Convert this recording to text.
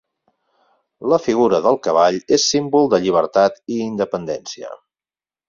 La figura del cavall és símbol de llibertat i independència.